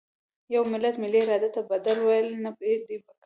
د یوه ملت ملي ارادې ته بد ویل نه دي پکار.